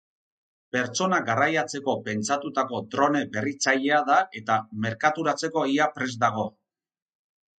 Pertsonak garraiatzeko pentsatutako drone berritzailea da eta merkaturatzeko ia prest dago.